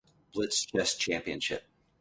Blitz Chess Championship.